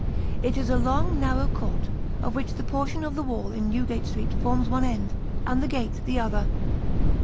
It is a long, narrow court, of which a portion of the wall in Newgate Street forms one end, and the gate the other.